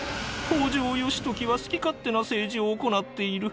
北条義時は好き勝手な政治を行っている。